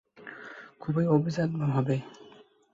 খুবই অভিজাত হবে!